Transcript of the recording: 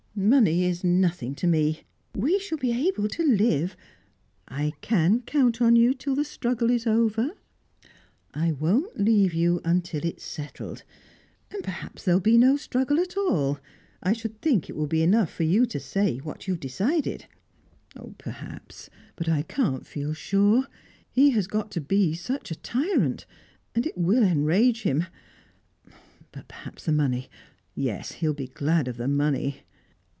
Money is nothing to me; we shall be able to live " "I can count on you till the struggle is over?" "I won't leave you until it is settled. And perhaps there will be no struggle at all. I should think it will be enough for you to say what you have decided " "Perhaps. But I can't feel sure. He has got to be such a tyrant, and it will enrage him But perhaps the money Yes, he will be glad of the money."